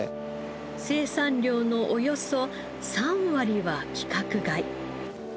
生産量のおよそ３割は規格外。